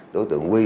đối tượng huy